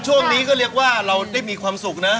ช่วงนี้ก็เรียกว่าเราได้มีความสุขนะ